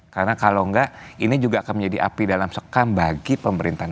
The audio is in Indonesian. karena kalau enggak ini juga akan menjadi api dalam sekam bagi pembangunan